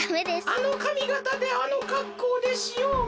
あのかみがたであのかっこうでしおをまく。